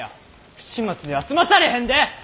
不始末では済まされへんで！